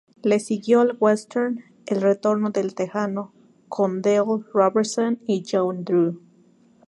Le siguió el western "El retorno del tejano" con Dale Robertson y Joanne Dru.